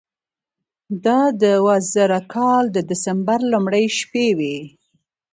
دا د دوه زره کال د دسمبر لومړۍ شپې وې.